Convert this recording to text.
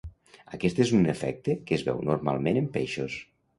Aquest és un efecte que es veu normalment en peixos.